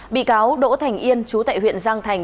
bị cáo đỗ thành yên chú tại huyện giang thành